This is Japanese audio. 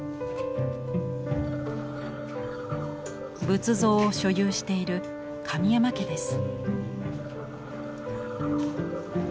仏像を所有している神山家です。